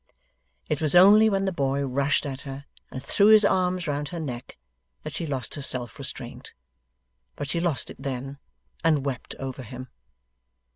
It was only when the boy rushed at her, and threw his arms round her neck, that she lost her self restraint. But she lost it then, and wept over him.